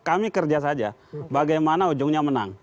kami kerja saja bagaimana ujungnya menang